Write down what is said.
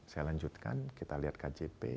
saya lanjutkan kita lihat kjp